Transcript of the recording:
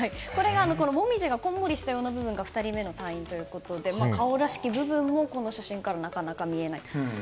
モミジがこんもりしたような部分が２人目の隊員ということで顔らしき部分もこの写真からなかなか見えない。